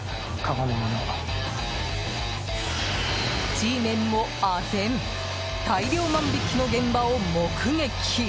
Ｇメンも、あぜん大量万引きの現場を目撃。